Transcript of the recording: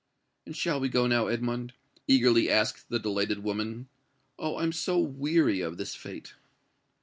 "And shall we go now, Edmond?" eagerly asked the delighted woman. "Oh! I'm so weary of this fête!"